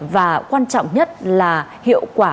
và quan trọng nhất là hiệu quả